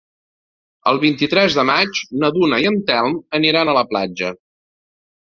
El vint-i-tres de maig na Duna i en Telm aniran a la platja.